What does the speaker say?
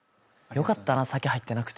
よかったな酒入ってなくて。